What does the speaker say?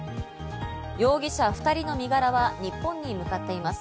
容疑者２人の身柄は日本に向かっています。